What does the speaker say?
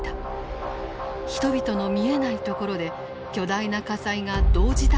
人々の見えないところで巨大な火災が同時多発で起きていた。